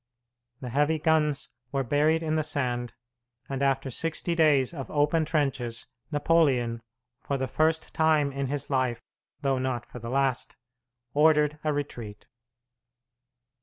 The heavy guns were buried in the sand, and after sixty days of open trenches Napoleon, for the first time in his life, though not for the last, ordered a retreat.